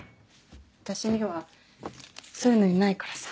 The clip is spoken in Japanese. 私にはそういうのいないからさ。